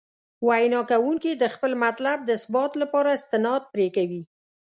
وینا کوونکي د خپل مطلب د اثبات لپاره استناد پرې کوي.